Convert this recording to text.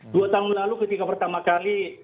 dua tahun lalu ketika pertama kali